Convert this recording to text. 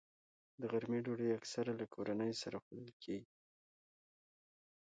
د غرمې ډوډۍ اکثره له کورنۍ سره خوړل کېږي